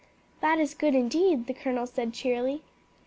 "That is good indeed," the colonel said cheerily.